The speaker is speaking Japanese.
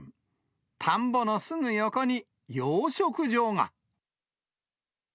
田んぼのすぐ横に養殖場が。